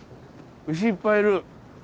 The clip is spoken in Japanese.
牛いっぱいいる。